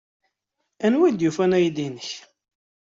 Anwa ay d-yufan aydi-nnek?